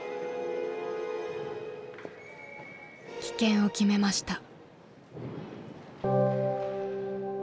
棄権を決めました。